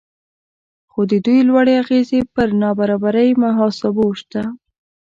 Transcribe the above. خو د دوی لوړې اغیزې پر نابرابرۍ محاسبو شته